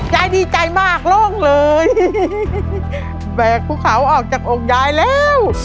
ยายดีใจมากโล่งเลยแบกภูเขาออกจากอกยายแล้ว